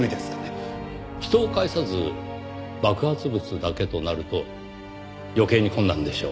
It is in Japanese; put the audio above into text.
人を介さず爆発物だけとなると余計に困難でしょう。